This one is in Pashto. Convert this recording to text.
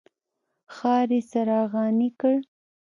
ښار یې څراغاني کړ.